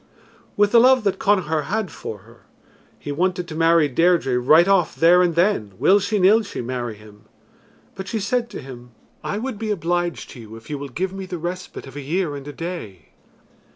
With the love that Connachar had for her, he wanted to marry Deirdre right off there and then, will she nill she marry him. But she said to him, "I would be obliged to you if you will give me the respite of a year and a day."